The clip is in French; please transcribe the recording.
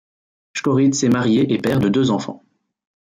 Škorić est marié et père de deux enfants.